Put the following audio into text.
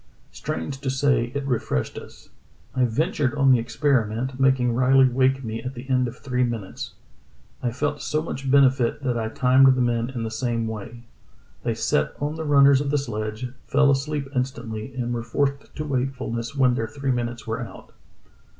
Strange to say, it refreshed us. I ventured on the experiment, making Riley wake me at the end of three minutes. I felt so much bene fited that I timed the men in the same way. They sat on the runners of the sledge, fell asleep instantly, and were forced to wakefulness when their three minutes were out."